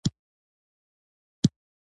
رند دي خپله رندي کوي ، د شوده ملگرى خداى دى.